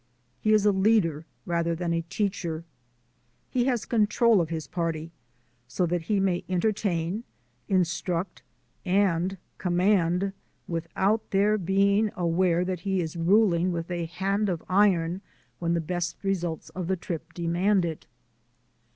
He is a leader rather than a teacher. He has control of his party so that he may entertain, instruct, and command without their being aware that he is ruling with a hand of iron when the best results of the trip demand it.